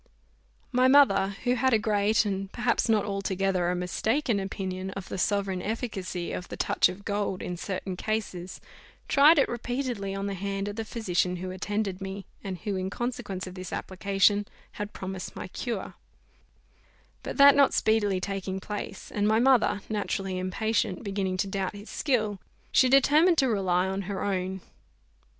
My mother, who had a great, and perhaps not altogether a mistaken, opinion, of the sovereign efficacy of the touch of gold in certain cases, tried it repeatedly on the hand of the physician who attended me, and who, in consequence of this application, had promised my cure; but that not speedily taking place, and my mother, naturally impatient, beginning to doubt his skill, she determined to rely on her own.